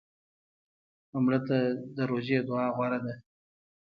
مړه ته د روژې دعا غوره ده